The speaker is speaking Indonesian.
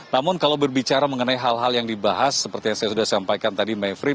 namun kalau berbicara mengenai hal hal yang dibahas seperti yang saya sudah sampaikan tadi mayfri